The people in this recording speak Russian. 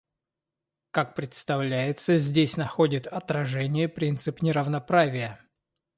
Как представляется, здесь находит отражение принцип неравноправия.